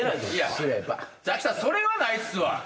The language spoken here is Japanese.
ザキさんそれはないっすわ。